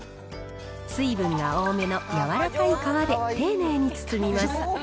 水分が多めの柔らかい皮で丁寧に包みます。